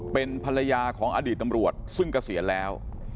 เป็นภรรยาของอดีตตำรวจซึ่งเกษียณแล้ว